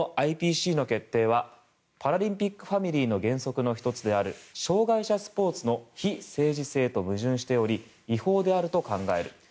このＩＰＣの決定はパラリンピックファミリーの原則の１つである障害者スポーツの非政治性と矛盾しており違法であると考える。